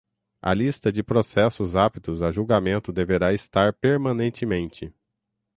A lista de processos aptos a julgamento deverá estar permanentemente